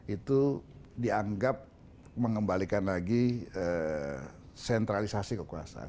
itu dianggap mengembalikan lagi sentralisasi kekuasaan